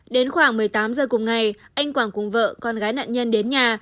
đến khoảng một mươi tám giờ cùng ngày anh quảng cùng vợ con gái nạn nhân đến nhà